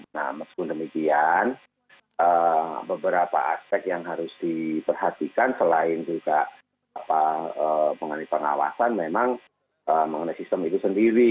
nah meskipun demikian beberapa aspek yang harus diperhatikan selain juga mengenai pengawasan memang mengenai sistem itu sendiri